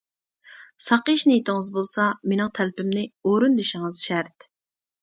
ساقىيىش نىيىتىڭىز بولسا، مېنىڭ تەلىپىمنى ئورۇندىشىڭىز شەرت.